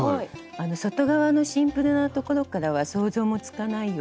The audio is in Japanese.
外側のシンプルなところからは想像もつかないような。